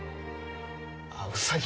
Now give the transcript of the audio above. あウサギ？